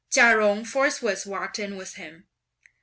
Chia Jung forthwith walked in with him.